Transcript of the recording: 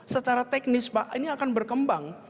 secara teknis pak ini akan berkembang